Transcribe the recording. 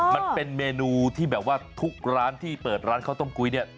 มันเป็นเมนูที่แบบว่าทุกร้านที่เปิดร้านข้าวต้มกุ้ยเนี่ย